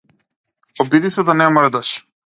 Обиди се да не мрдаш.